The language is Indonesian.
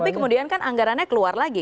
tapi kemudian kan anggarannya keluar lagi